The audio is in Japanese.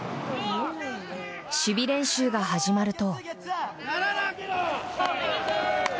守備練習が始まると。